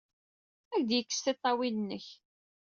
Ad ak-d-yekkes tiṭṭawin-nnek!